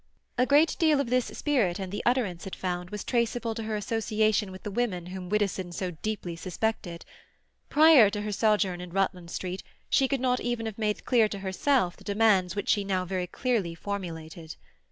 A great deal of this spirit and the utterance it found was traceable to her association with the women whom Widdowson so deeply suspected; prior to her sojourn in Rutland Street she could not even have made clear to herself the demands which she now very clearly formulated.